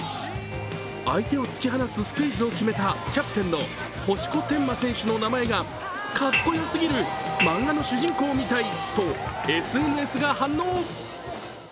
相手を突き放すスクイズを決めたキャプテンの星子天真選手の名前がかっこよすぎる、漫画の主人公みたいとＳＮＳが反応。